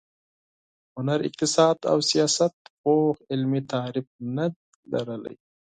هنر، اقتصاد او سیاست پوخ علمي تعریف نه درلود.